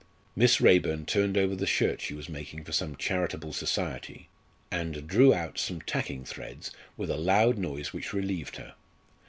Miss Raeburn turned over the shirt she was making for some charitable society and drew out some tacking threads with a loud noise which relieved her.